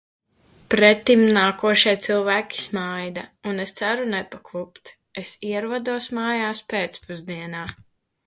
Pretimnākošie cilvēki smaida, un es ceru nepaklupt. Es ierodos mājās pēcpusdienā.